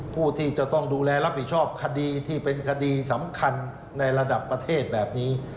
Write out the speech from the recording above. ผู้ที่จะต้องดูแลรับผิดชอบคดีที่เป็นคดีสำคัญในระดับประเทศแบบนี้